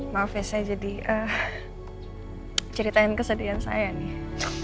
maaf ya saya jadi ceritain kesedihan saya nih